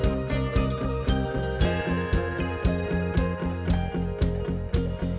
oh daha banget